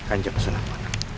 kan jago selamat